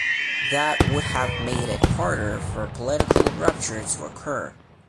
That would have made it harder for a political rupture to occur.